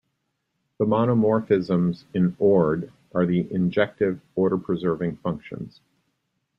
The monomorphisms in Ord are the injective order-preserving functions.